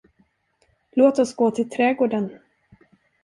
Låt oss gå till trädgården.